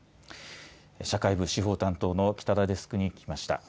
社会部司法担当の北田デスクに聞きました。